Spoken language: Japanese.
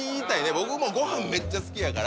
僕もごはんめっちゃ好きやから。